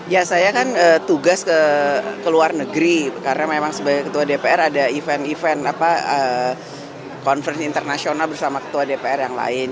ya saya kan tugas ke luar negeri karena memang sebagai ketua dpr ada event event conference internasional bersama ketua dpr yang lain